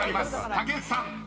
竹内さん］